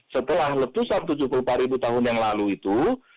setelah letusan tujuh puluh empat ribu tahun yang lalu itu